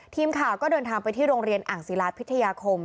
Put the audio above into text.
ทีมข่าวก็เดินทางไปที่โรงเรียนอ่างศิลาพิทยาคม